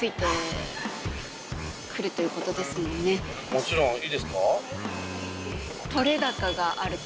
もちろんいいですか？